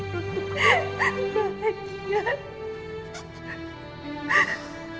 kamu gak boleh ngomong seperti itu bella